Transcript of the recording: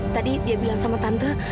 tadi dia bilang sama tante